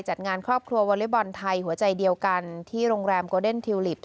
จัดงานครอบครัววอเล็กบอลไทยหัวใจเดียวกันที่โรงแรมโกเดนทิวลิป